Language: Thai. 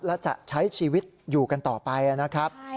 และจะใช้ชีวิตอยู่กันต่อไปนะครับ